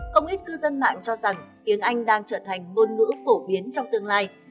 không ít cư dân mạng cho rằng tiếng anh đang trở thành ngôn ngữ phổ biến trong tương lai